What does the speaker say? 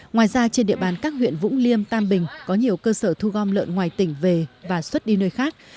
ngoài ra trên địa bàn các huyện vũng liêm tam bình có nhiều cơ sở thu gom lợn ngoài tỉnh về và xuất đi nơi khác